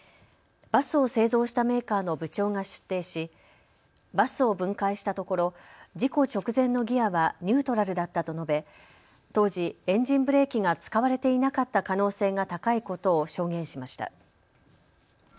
バスを製造したメーカーの部長が出廷しバスを分解したところ事故直前のギアはニュートラルだったと述べ当時、エンジンブレーキが使われていなかった可能性が高いことを証言しました。